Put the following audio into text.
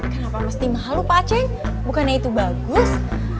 kenapa mesti malu pak aceh bukannya itu bagus